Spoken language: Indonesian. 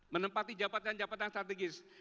menempati jabatan jabatan strategis